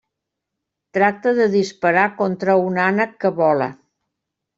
Tracta de disparar contra un ànec que vola.